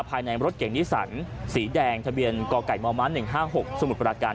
ภายในรถเก่งนิสันสีแดงทะเบียนกไก่มม๑๕๖สมุทรปราการ